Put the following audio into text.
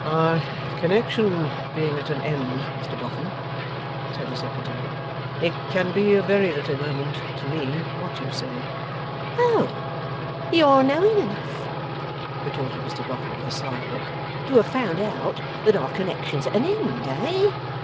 'Our connexion being at an end, Mr Boffin,' said the Secretary, 'it can be of very little moment to me what you say.' 'Oh! You are knowing enough,' retorted Mr Boffin, with a sly look, 'to have found out that our connexion's at an end, eh?